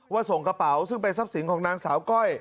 ส่งกระเป๋าซึ่งเป็นทรัพย์สินของนางสาวก้อย